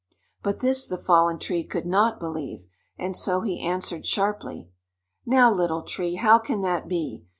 But this the Fallen Tree could not believe, and so he answered sharply: "Now, Little Tree, how can that be?